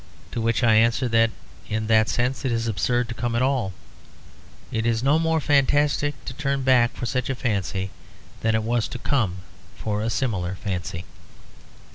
To which I answer that in that sense it is absurd to come at all. It is no more fantastic to turn back for such a fancy than it was to come for a similar fancy.